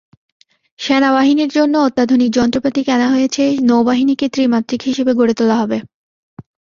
সেনাবাহিনীর জন্য অত্যাধুনিক যন্ত্রপাতি কেনা হয়েছে, নৌবাহিনীকে ত্রিমাত্রিক হিসেবে গড়ে তোলা হবে।